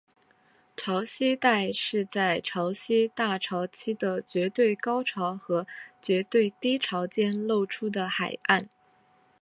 潮间带是在潮汐大潮期的绝对高潮和绝对低潮间露出的海岸。